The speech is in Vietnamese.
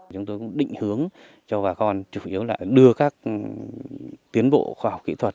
chúng tôi cũng định hướng cho bà con chủ yếu là đưa các tiến bộ khoa học kỹ thuật